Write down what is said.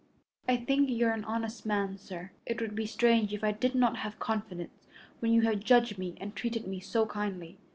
"I think you are an honest man, sir. It would be strange if I did not have confidence when you have judged me and treated me so kindly.